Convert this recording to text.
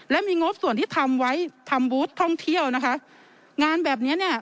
และมีงบส่วนที่ทำไว้ทำบูธท่องเที่ยวนะคะงานแบบเนี้ยเนี้ย